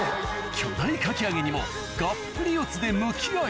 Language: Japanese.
巨大かき揚げにもがっぷり四つで向き合い